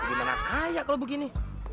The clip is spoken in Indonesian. cepetan gimana kayak begini